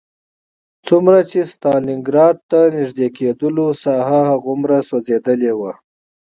څومره چې ستالینګراډ ته نږدې کېدلو ساحه هغومره سوځېدلې وه